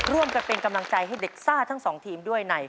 ร่วมกันเป็นกำลังใจให้เด็กซ่าทั้งสองทีมด้วยใน